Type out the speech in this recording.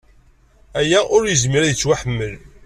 Aya ur yezmir ad yettwaḥmel!